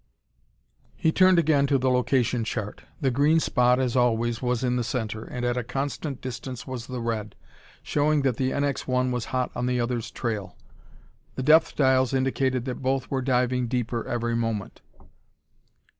He turned again to the location chart. The green spot as always was in the center, and at a constant distance was the red, showing that the NX 1 was hot on the other's trail. The depth dials indicated that both were diving deeper every moment.